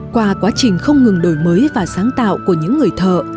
qua quá trình không ngừng đổi mới và sáng tạo của những người thợ